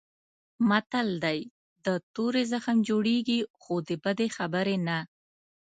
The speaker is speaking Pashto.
متل دی: د تورې زخم جوړېږي خو د بدې خبرې نه.